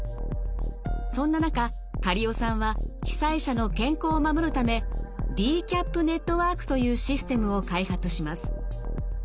そんな中苅尾さんは被災者の健康を守るためＤＣＡＰネットワークというシステムを開発します。